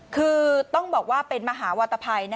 คือต้องบอกว่าเป็นมหาวัตภัย